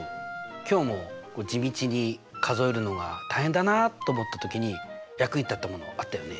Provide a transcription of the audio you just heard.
今日も地道に数えるのが大変だなあと思った時に役に立ったものあったよね？